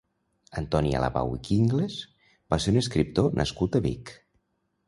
Antoni Alabau i Quingles va ser un escriptor nascut a Vic.